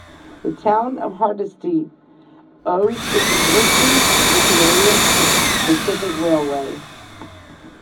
The Town of Hardisty owes its existence to the Canadian Pacific Railway.